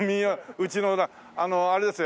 うちのあれですよ